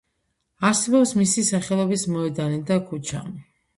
არსებობს მისი სახელობის მოედანი და ქუჩა.